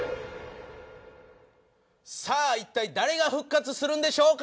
一体誰が復活するんでしょうか。